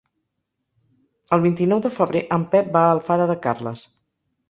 El vint-i-nou de febrer en Pep va a Alfara de Carles.